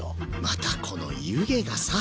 またこの湯気がさ。